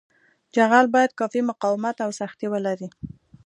جغل باید کافي مقاومت او سختي ولري